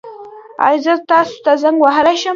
ایا زه تاسو ته زنګ وهلی شم؟